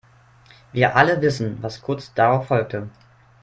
Wir alle wissen, was kurz darauf folgte.